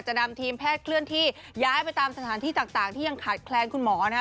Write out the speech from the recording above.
นำทีมแพทย์เคลื่อนที่ย้ายไปตามสถานที่ต่างที่ยังขาดแคลนคุณหมอนะฮะ